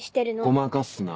ごまかすな。